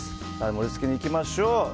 盛り付けにいきましょう。